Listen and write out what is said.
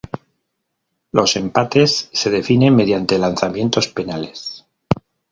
Los empates se definen mediante lanzamientos penales.